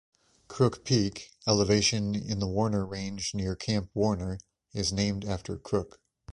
Crook Peak, elevation in the Warner Range near Camp Warner, is named after Crook.